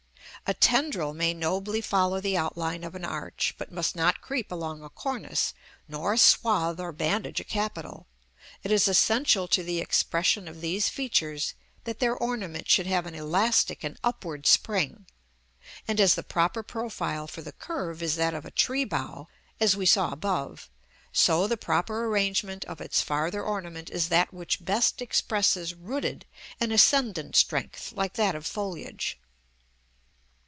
A tendril may nobly follow the outline of an arch, but must not creep along a cornice, nor swathe or bandage a capital; it is essential to the expression of these features that their ornament should have an elastic and upward spring; and as the proper profile for the curve is that of a tree bough, as we saw above, so the proper arrangement of its farther ornament is that which best expresses rooted and ascendant strength like that of foliage.